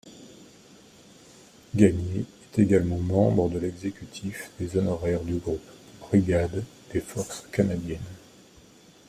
Gagné est également membre de l’exécutif des honoraires du Groupe-brigade des Forces canadiennes.